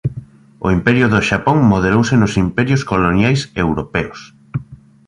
O Imperio do Xapón modelouse nos imperios coloniais europeos.